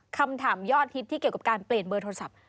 คำถามยอดฮิตที่เกี่ยวกับการเปลี่ยนเบอร์โทรศัพท์